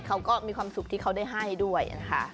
เขาก็มีความสุขที่เขาได้ให้ด้วยนะคะ